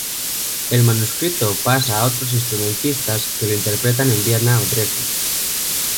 El manuscrito pasa a otros instrumentistas que lo interpretan en Viena o Dresde.